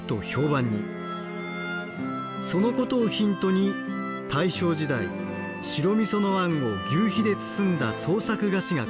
そのことをヒントに大正時代白みそのあんを求肥で包んだ創作菓子が考案され